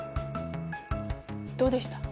どうでした？